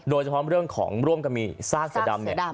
โดยจะพร้อมมร่วมกันมีซากเสือดำ